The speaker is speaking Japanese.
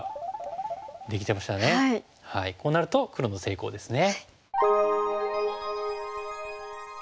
こうなると黒の成功ですね。